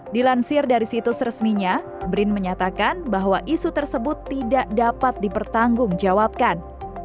dilansir dari situs resminya brin menyatakan bahwa isu tersebut tidak dapat dipertanggungjawabkan